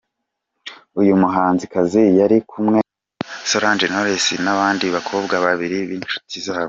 Uyu muhanzikazi yari kumwe na Solange Knowles n’abandi bakobwa babiri b’inshuti zabo.